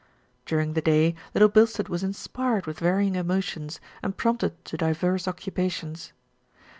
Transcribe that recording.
During the day Little Bilstead was inspired with varying emotions and prompted to diverse occupations.